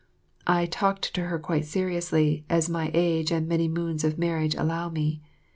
I talked to her quite seriously, as my age and many moons of marriage allow me.